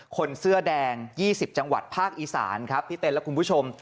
คนเสื้อแดง๒๐จังหวัดภาคอีสานครับพี่เต้นและคุณผู้ชม